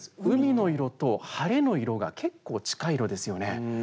海の色と晴れの色が、結構近い色ですよね？